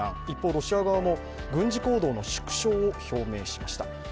一方、ロシア側も軍事行動の縮小を表明しました。